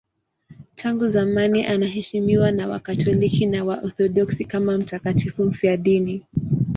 Tangu zamani anaheshimiwa na Wakatoliki na Waorthodoksi kama mtakatifu mfiadini.